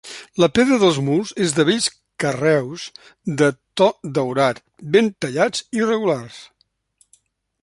La pedra dels murs és de bells carreus de to daurat, ben tallats i regulars.